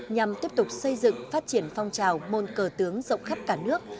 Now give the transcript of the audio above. nhằm tiếp tục xây dựng phát triển phong trào môn cờ tướng rộng khắp cả nước